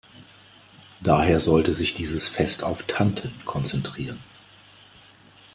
Daher solle sich dieses Fest auf Tanten konzentrieren.